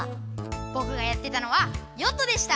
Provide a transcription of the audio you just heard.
ぼくがやってたのは「よっと」でした。